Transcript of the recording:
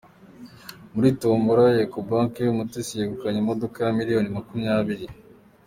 Muri tombola ya ekobanke Umutesi yegukanye imodoka ya miliyoni makumyabiri